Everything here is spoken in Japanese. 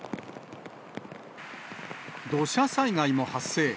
土砂災害も発生。